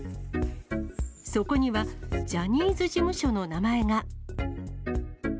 そこには、ジャニーズ事務所の名前が。